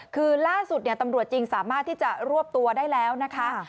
คือล่าสุดตำรวจจริงสามารถที่จะรวบตัวได้แล้วนะคะ